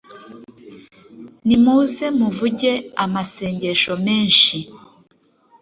nimuze muvuge amasengesho menshi